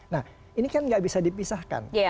nah ini kan nggak bisa dipisahkan